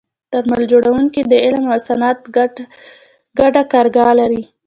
درمل جوړونکي د علم او صنعت ګډه کارګاه لري.